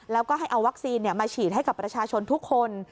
แล้วก็ให้เอาวัคซีนมาฉีดให้กับประชาชนทุกคน